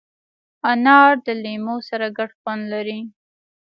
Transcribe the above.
انار د لیمو سره ګډ خوند لري.